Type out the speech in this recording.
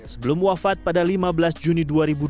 sebelum wafat pada lima belas juni dua ribu dua puluh